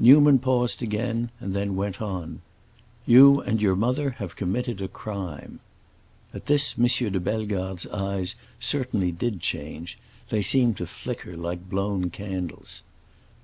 Newman paused again, and then went on. "You and your mother have committed a crime." At this M. de Bellegarde's eyes certainly did change; they seemed to flicker, like blown candles.